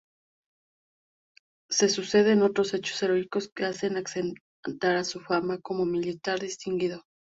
Se suceden otros hechos heroicos que hacen acrecentar su fama como militar distinguido.